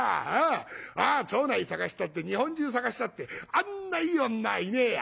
ああ町内探したって日本中探したってあんないい女いねえや。